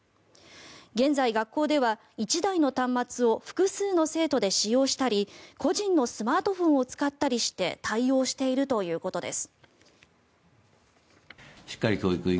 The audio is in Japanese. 現在、学校では１台の端末を複数の生徒で使用したり個人のスマートフォンを使ったりして対応しているということです。